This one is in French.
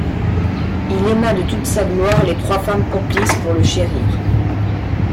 Il aima de toute sa gloire les trois femmes complices pour le chérir.